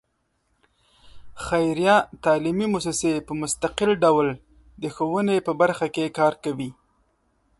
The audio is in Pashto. خیریه تعلیمي مؤسسې په مستقل ډول د ښوونې په برخه کې کار کوي.